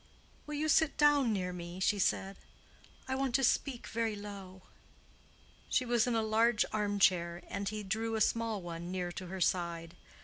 "Will you sit down near me?" she said. "I want to speak very low." She was in a large arm chair, and he drew a small one near to her side.